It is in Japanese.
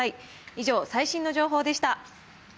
以上、最新の情報でした。